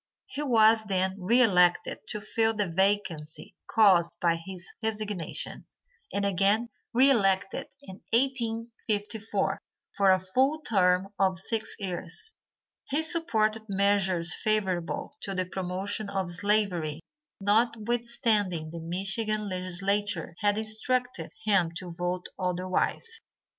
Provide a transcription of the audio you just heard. He was then re elected to fill the vacancy caused by his resignation, and again re elected in 1854 for a full term of six years. He supported measures favorable to the promotion of slavery notwithstanding the Michigan legislature had instructed him to vote otherwise.